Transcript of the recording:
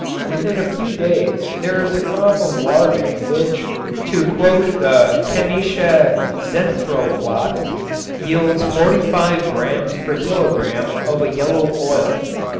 Within a few days there is a crop of larvae which, to quote the "Chemische Zentralblatt," yields forty five grams per kilogram of a yellow oil.